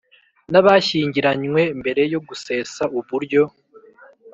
n abashyingiranywe mbere yo gusesa uburyo